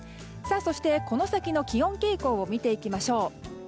そしてこの先の気温傾向を見ていきましょう。